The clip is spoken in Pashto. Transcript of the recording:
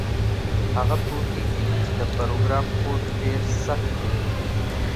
هغه پوهیږي چې د پروګرام کوډ ډیر سخت وي